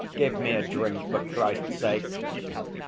Give me a drink for Christ's sake!"